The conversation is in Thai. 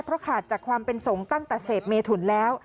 เพราะขาดจากความเป็นสงฆ์ตั้งแต่เสพเมถุนแล้ว